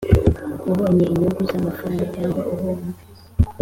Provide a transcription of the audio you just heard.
ubone inyungu z amafaranga cyangwa uhombe